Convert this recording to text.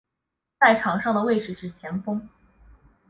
在场上的位置是前锋。